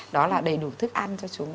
đó là đầy đủ thức ăn cho chúng